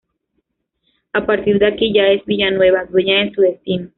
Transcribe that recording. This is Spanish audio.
A partir de aquí ya es Villanueva dueña de su destino.